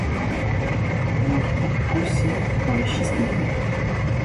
On en trouve aussi dans les schistes bleus.